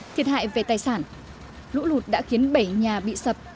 thiệt hại về tài sản lũ lụt đã khiến bảy nhà bị sập